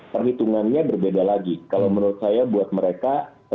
perhitungannya berbeda lagi kalau menurut saya buat mereka